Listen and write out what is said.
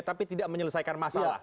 tapi tidak menyelesaikan masalah